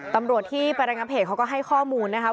ตำรวจที่ไประงับเหตุเขาก็ให้ข้อมูลนะครับ